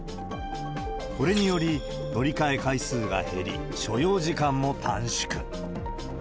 これにより、乗り換え回数が減り、所要時間も短縮。